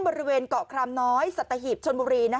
บริเวณเกาะครามน้อยสัตหีบชนบุรี